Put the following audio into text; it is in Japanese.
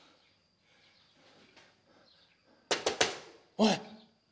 おい！